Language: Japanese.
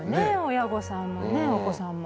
親御さんもねお子さんも。